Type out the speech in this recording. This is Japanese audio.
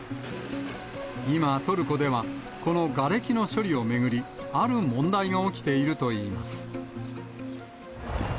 今、トルコでは、このがれきの処理を巡り、ある問題が起きているといいます。